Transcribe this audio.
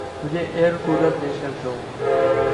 مجھے air cooler لے کر دو